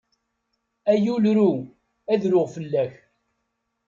Ay ul ru, ad ruɣ fell-ak!